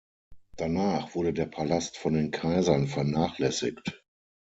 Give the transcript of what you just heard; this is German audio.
Danach wurde der Palast von den Kaisern vernachlässigt.